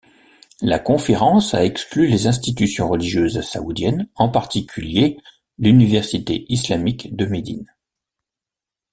La conférence a exclu les institutions religieuses saoudiennes, en particulier l'université islamique de Médine.